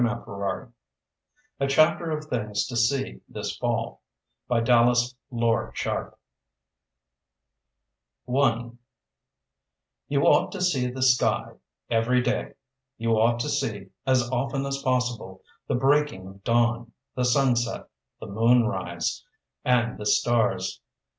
CHAPTER IV A CHAPTER OF THINGS TO SEE THIS FALL I You ought to see the sky every day. You ought to see, as often as possible, the breaking of dawn, the sunset, the moonrise, and the stars.